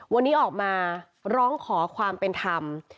วันนี้ออกมาร้องขอความเป็นธรรม